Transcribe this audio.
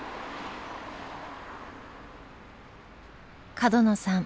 角野さん